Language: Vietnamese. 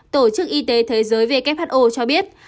tổ chức y tế thế giới who cho biết